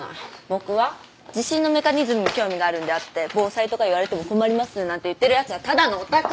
僕は地震のメカニズムに興味があるんであって防災とか言われても困りますなんて言ってるやつはただのオタクよ。